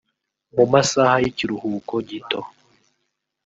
mu masaha y’ikiruhuko gito